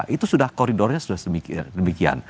itu sudah koridornya sudah demikian